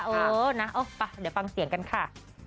เออนะเอาไปเดี๋ยวฟังเสียงกันค่ะ